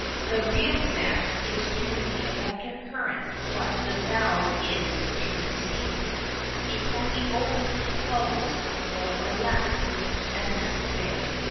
The rheostat is to the electric current what the valve is to the steam; it can be opened and closed, more or less, as necessary.